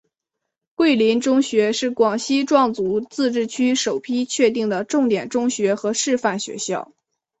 桂林中学是广西壮族自治区首批确定的重点中学和示范学校。